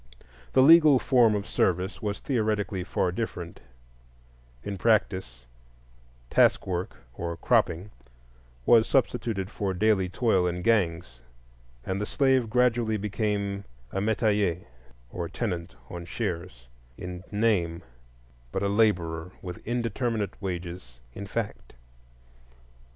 The legal form of service was theoretically far different; in practice, task work or "cropping" was substituted for daily toil in gangs; and the slave gradually became a metayer, or tenant on shares, in name, but a laborer with indeterminate wages in fact.